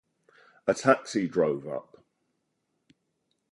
A taxi drove up.